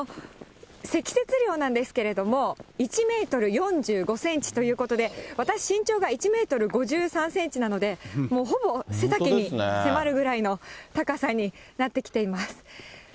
積雪量なんですけれども、１メートル４５センチということで、私、身長が１メートル５３センチなので、もうほぼ背丈に迫るぐらいの高さになってきています。